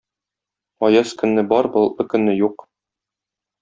Аяз көнне бар, болытлы көнне юк.